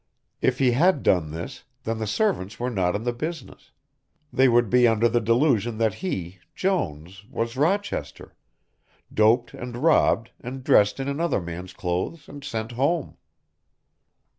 If he had done this, then the servants were not in the business; they would be under the delusion that he, Jones, was Rochester, doped and robbed and dressed in another man's clothes and sent home.